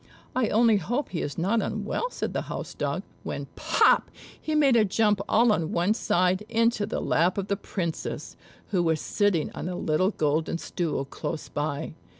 "I only hope he is not unwell," said the house dog; when, pop! he made a jump all on one side into the lap of the Princess, who was sitting on a little golden stool close by.